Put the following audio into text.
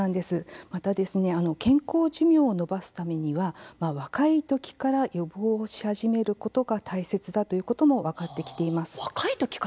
また健康寿命を延ばすためには若いときから予防をし始めることが大切だということも分かってきていいます。